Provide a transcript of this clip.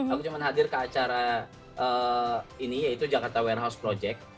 aku cuma hadir ke acara ini yaitu jakarta warehouse project